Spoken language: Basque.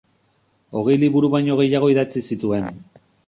Hogei liburu baino gehiago idatzi zituen.